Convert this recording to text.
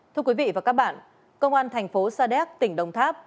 thưa quý vị và các bạn công an thành phố sa đéc tỉnh đồng tháp